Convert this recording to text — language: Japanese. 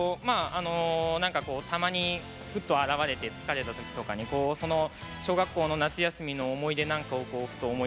たまにふっと現れて疲れた時とかに小学校の夏休みの思い出なんかをふと思い出させてくれるような。